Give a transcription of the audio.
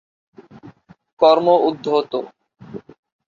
কর্ম উদ্ধৃত